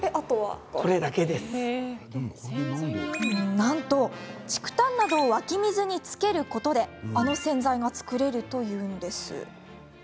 なんと、竹炭などを湧き水につけることであの洗剤が作れるというんです。